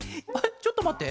ちょっとまって。